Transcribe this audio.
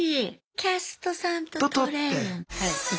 キャストさんと撮れる。